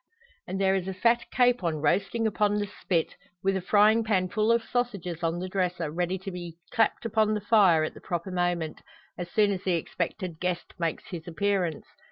And there is a fat capon roasting upon the spit, with a frying pan full of sausages on the dresser, ready to be clapped upon the fire at the proper moment as soon as the expected guest makes his appearance.